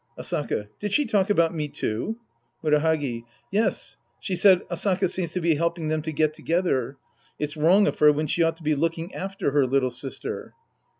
Asaka. Did she talk about me, too ? Murahagi. Yes, she said, " Asaka seems to be helping them to get together. It's wrong of her when she ought to be looking after her little sister."